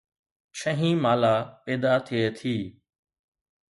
ڇهين مالا پيدا ٿئي ٿي